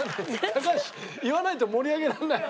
高橋言わないと盛り上げられない。